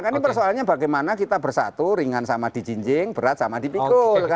ini persoalannya bagaimana kita bersatu ringan sama di jinjing berat sama di pikul